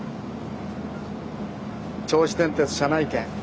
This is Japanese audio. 銚子電鉄車内券。